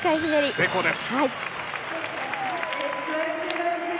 成功です。